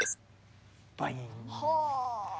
バイン。